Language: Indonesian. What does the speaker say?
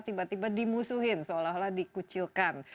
tiba tiba dimusuhin seolah olah dikucilkan